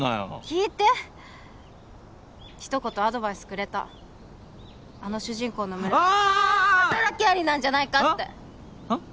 聞いて一言アドバイスくれたあの主人公の群れはあーっ働き蟻なんじゃないかってあっ？